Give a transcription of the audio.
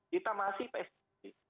kita masih pspb